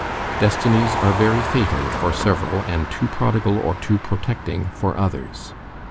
Destinies are very fatal for several and too prodigal or too protecting for others.